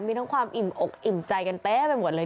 มีทั้งความอิ่มไอบใจกันต้องออกไปหมดเลย